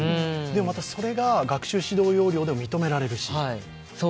でもまたそれが学習指導要領で認められるし。